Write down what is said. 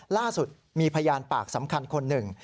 ล่าสุดมีพยานปากสำคัญคนหนึ่ง